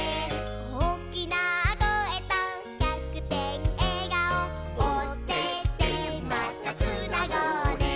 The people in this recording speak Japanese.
「おおきなこえと１００てんえがお」「オテテまたつなごうね」